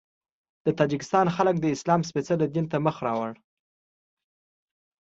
د تاجکستان خلک د اسلام سپېڅلي دین ته مخ راوړ.